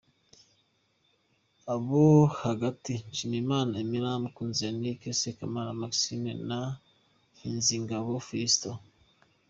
Abo hagati:Nshimiyimana Imran, Mukunzi yannick, Sekamana Maxime na Nkinzingabo Filston .